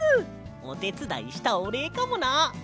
おてつだいしたおれいかもな！